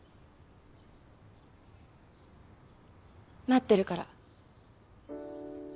待ってるから。